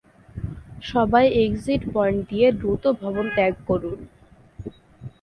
সবাই exit point দিয়ে দ্রুত ভবন ত্যাগ করুন!